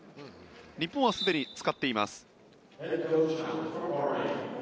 日本はすでに使っています。